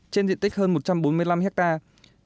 trên diện tích hơn một trăm bốn mươi năm hectare